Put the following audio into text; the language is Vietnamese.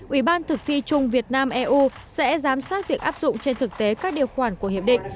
ủy ban thực thi chung việt nam eu sẽ giám sát việc áp dụng trên thực tế các điều khoản của hiệp định